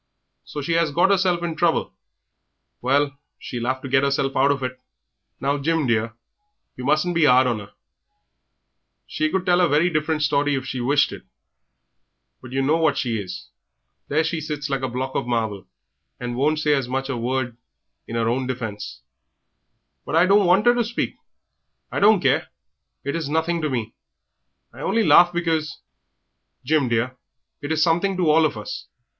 So she 'as got 'erself into trouble! Well, she'll 'ave to get 'erself out of it." "Now, Jim, dear, yer mustn't be 'ard on 'er; she could tell a very different story if she wished it, but yer know what she is. There she sits like a block of marble, and won't as much as say a word in 'er own defence." "But I don't want 'er to speak. I don't care, it's nothing to me; I only laughed because " "Jim, dear, it is something to all of us.